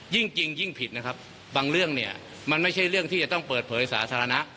ยิ่งจริงยิ่งผิดนะครับบางเรื่องเนี่ยมันไม่ใช่เรื่องที่จะต้องเปิดเผยสาธารณะ